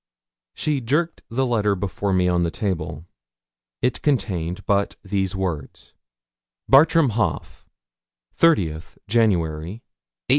She jerked the letter before me on the table. It contained but these words: Bartram Haugh: '30th January, 1845.